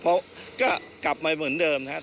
เพราะก็กลับมาเหมือนเดิมนะครับ